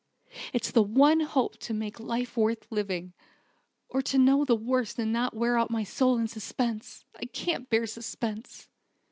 It's the one hope to make life worth living or to know the worst and not wear out my soul in suspense. I can't bear suspense."